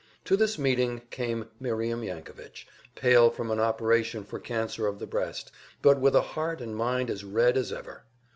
To this meeting came Miriam Yankovich, pale from an operation for cancer of the breast, but with a heart and mind as Red as ever.